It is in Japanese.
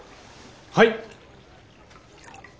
はい。